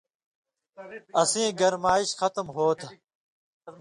اسیں گرمائش ختم ہوتھی۔